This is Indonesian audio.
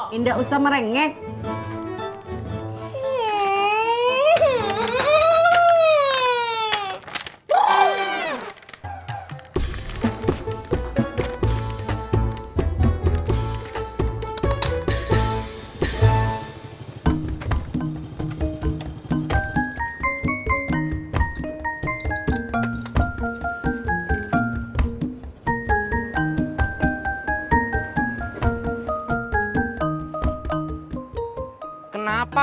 gak usah merengek